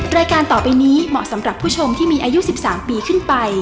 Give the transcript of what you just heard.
รายการต่อไปนี้เหมาะสำหรับผู้ชมที่มีอายุ๑๓ปีขึ้นไป